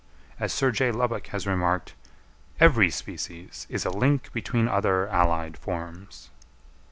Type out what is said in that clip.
As Sir J. Lubbock has remarked, "Every species is a link between other allied forms."